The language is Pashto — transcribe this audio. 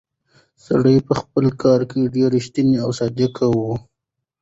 سړی په خپل کار کې ډېر ریښتونی او صادق و.